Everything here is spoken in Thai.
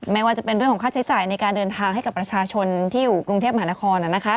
ไม่ว่าจะเป็นเรื่องของค่าใช้จ่ายในการเดินทางให้กับประชาชนที่อยู่กรุงเทพมหานคร